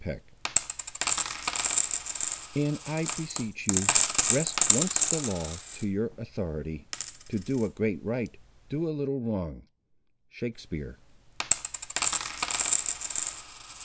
CHAPTER XXXII And I beseech you, Wrest once the law, to your authority: To do a great right, do a little wrong. —Shakespeare.